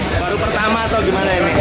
baru pertama atau gimana ini